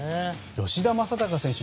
吉田正尚選手